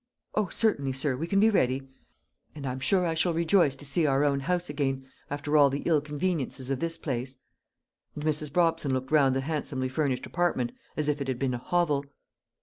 "O, certainly, sir; we can be ready. And I'm sure I shall rejoice to see our own house again, after all the ill conveniences of this place." And Mrs. Brobson looked round the handsomely furnished apartment as if it had been a hovel.